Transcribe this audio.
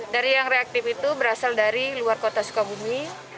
dari yang reaktif itu berasal dari luar kota sukabumi